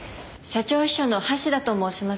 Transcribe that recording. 社長秘書の橋田と申します。